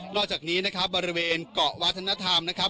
อกจากนี้นะครับบริเวณเกาะวัฒนธรรมนะครับ